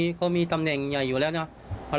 ก็เลยต้องรีบไปแจ้งให้ตรวจสอบคือตอนนี้ครอบครัวรู้สึกไม่ไกล